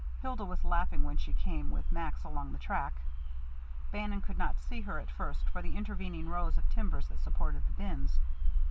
Hilda was laughing when she came with Max along the track. Bannon could not see her at first for the intervening rows of timbers that supported the bins.